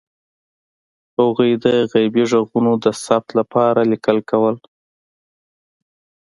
هغوی د غیبي غږونو د ثبت لپاره لیکل کول.